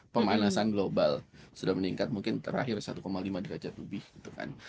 pemanasan global sudah meningkat mungkin terakhir satu lima derajat lebih gitu kan